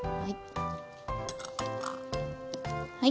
はい。